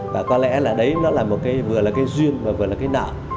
và có lẽ là đấy nó là một cái vừa là cái duyên mà vừa là cái nợ